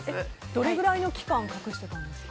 どれぐらいの期間隠してたんですか？